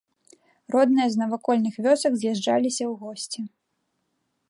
Родныя з навакольных вёсак з'язджаліся ў госці.